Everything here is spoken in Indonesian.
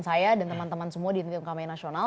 saya dan teman teman semua di tim kampanye nasional